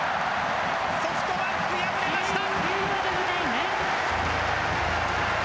ソフトバンク敗れました。